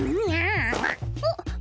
えっ？